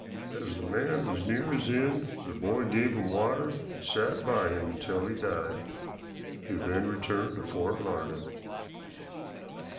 As the man was near his end, the boy gave him water and sat by him until he died. He then returned to Fort Larned.